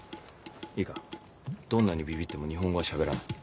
いいかどんなにビビっても日本語は喋らない。